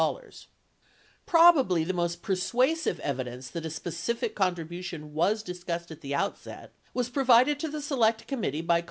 46 Probably the most persuasive evidence that a specific contribution was discussed at the outset was provided to the Select Committee by 38 Semer, 16 Hearings 7191.